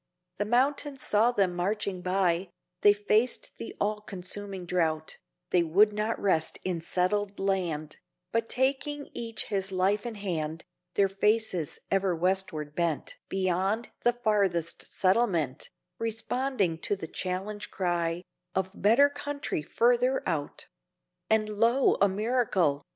The mountains saw them marching by: They faced the all consuming drought, They would not rest in settled land: But, taking each his life in hand, Their faces ever westward bent Beyond the farthest settlement, Responding to the challenge cry Of 'better country further out.' And lo a miracle!